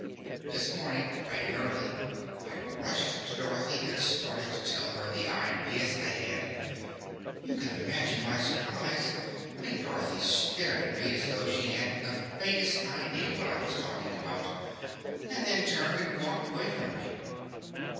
This morning, bright and early, I rushed to Dorothy and started to tell her the ideas I had. You can imagine my surprise when Dorothy stared at me as though she hadn't the faintest idea what I was talking about, and then turned and walked away from me."